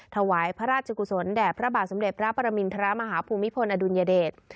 ถวายพระราชกุศลแด่พระบาทสมเด็จพระปรมินทรมาฮภูมิพลอดุลยเดช